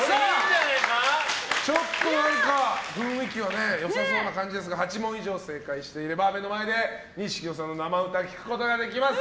ちょっと雰囲気は良さそうな感じですが８問以上正解していれば目の前で錦野さんの生歌を聴くことができます。